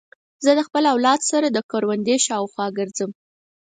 زه د خپل اولاد سره د کوروندې شاوخوا ګرځم.